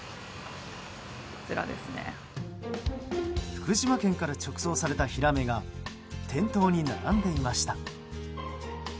福島県から直送されたヒラメが店頭に並んでいました。